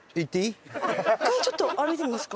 １回ちょっと歩いてみますか。